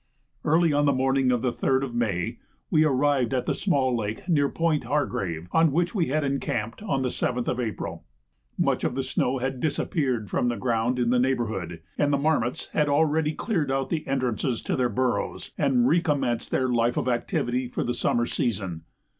Early on the morning of the 3rd of May we arrived at the small lake near Point Hargrave, on which we had encamped on the 7th of April; much of the snow had disappeared from the ground in the neighbourhood, and the marmots had already cleared out the entrances to their burrows, and recommenced their life of activity for the summer season.